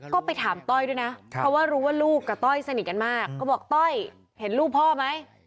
ก็ไปถามต้อยด้วยนะเพราะว่ารู้ว่าลูกกับต้อยสนิทกันมากก็บอกต้อยเห็นลูกพ่อไหม